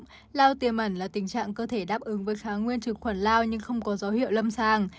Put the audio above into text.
bệnh lao tiềm ẩn là tình trạng cơ thể đáp ứng với kháng nguyên trực khuẩn lao nhưng không có dấu hiệu lâm sàng